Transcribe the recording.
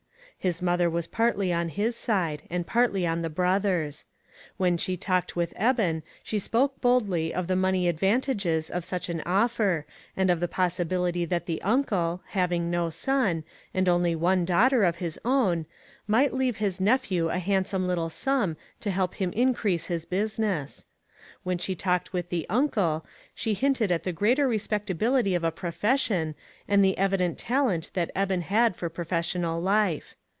His mother was partly on his side, and partly on the brother's. When she talked with Eben she spoke boldly of the money advantages of such an offer, and of the possibility that the uncle, having no son, and only one daughter of his own, might leave his nephew a handsome little sum to help him increase his business. When she talked with the uncle, she hinted at the greater respect ability of a profession, and the evident talent that Eben had for professional life.